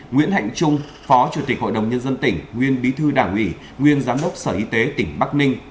nguyễn hạnh trung phó chủ tịch hội đồng nhân dân tỉnh nguyên bí thư đảng ủy nguyên giám đốc sở y tế tỉnh bắc ninh